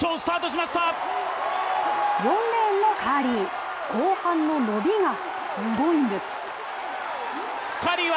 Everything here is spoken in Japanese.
４レーンのカーリー、後半の伸びがすごいんです。